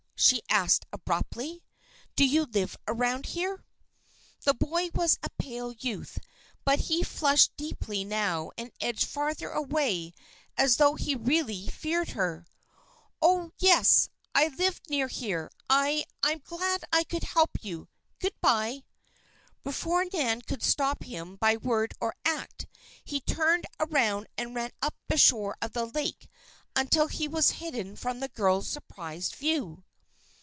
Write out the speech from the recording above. she asked abruptly. "Do you live around here?" The boy was a pale youth, but he flushed deeply now and edged farther away, as though he really feared her. "Oh, yes! I live near here. I I'm glad I could help you. Good bye!" Before Nan could stop him by word or act, he turned around and ran up the shore of the lake until he was hidden from the girl's surprised view.